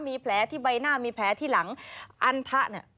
มีแผลที่ใบหน้ามีแผลที่หลังอันทะเนี่ย